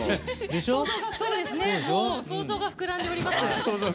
想像が膨らんでおります。